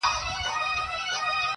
باندي اوښتي وه تر سلو اضافه کلونه!